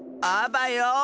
あばよ！